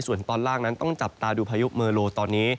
ส่วนตอนล่างต้องจับตาดูพยุคเมลโลตอนนี้